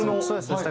そうです。